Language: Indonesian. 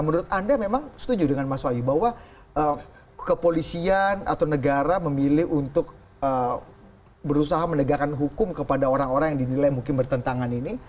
menurut anda memang setuju dengan mas wahyu bahwa kepolisian atau negara memilih untuk berusaha menegakkan hukum kepada orang orang yang dinilai mungkin bertentangan ini